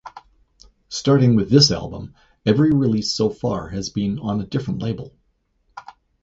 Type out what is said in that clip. Starting with this album, every release so far has been on a different label.